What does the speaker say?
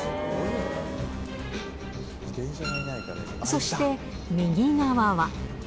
そして右側は。